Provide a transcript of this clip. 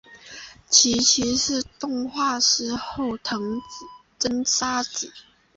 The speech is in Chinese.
其妻是动画师后藤真砂子。